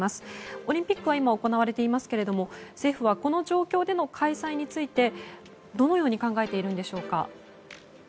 オリンピックは今、行われていますけれども政府はこの状況での開催についてどのように考えているんでしょうか。